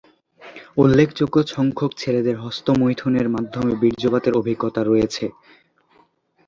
উল্লেখযোগ্য সংখ্যক ছেলেদের হস্তমৈথুনের মাধ্যমে বীর্যপাতের অভিজ্ঞতা রয়েছে।